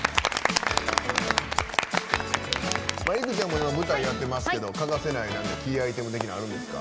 いくちゃんも舞台やってますけど欠かせないキーアイテム的なあるんですか？